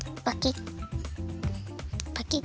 パキッ！